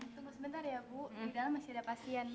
tunggu sebentar ya bu di dalam masih ada pasien